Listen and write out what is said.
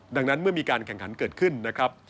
ดังนั้นเมื่อมีการแข่งขันเกิดขึ้นนะครับ